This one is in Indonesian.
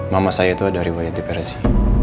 mama saya tuh ada riwayat depresi